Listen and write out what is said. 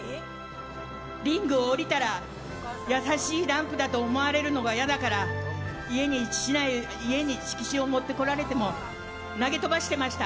リングを降りたら優しいダンプだと思われるのが嫌だから家に色紙を持ってこられても投げ飛ばしてました。